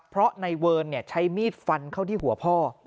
เพราะนายเวิร์นใช้มีดฟันเข้าที่หัวพ่อ